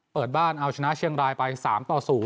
เปิดบ้านเอาชนะเชียงรายไป๓ต่อ๐